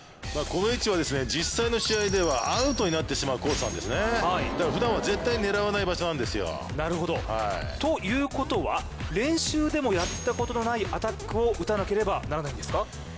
この位置は実際の試合ではアウトになってしまうコースなんですということは練習でもやったことのないアタックを打たなければならないんですか？